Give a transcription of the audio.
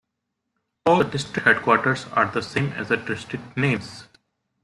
All the district headquarters are the same as the district names.